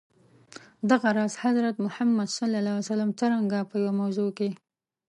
دغه راز، حضرت محمد ص څرنګه په یوه موضوع کي.